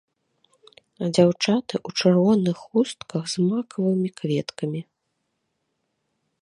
Дзяўчаты ў чырвоных хустках з макавымі кветкамі.